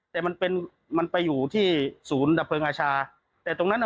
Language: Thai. แต่มันเป็นมันไปอยู่ที่ศูนย์ดับเพลิงอาชาแต่ตรงนั้นอ่ะ